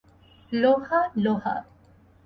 লোহা, লোহা।